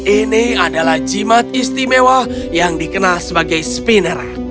ini adalah jimat istimewa yang dikenal sebagai spinner